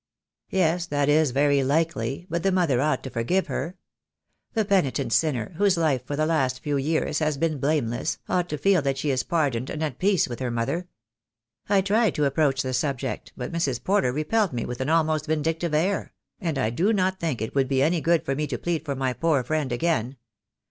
"Yes, that is very likely — but the mother ought to forgive her. The penitent sinner, whose life for the last few* years has been blameless, ought to feel that she is pardoned and at peace with her mother. I tried to ap proach the subject, but Mrs. Porter repelled me with an almost vindictive air; and I do not think it would be any good for me to plead for my poor friend again.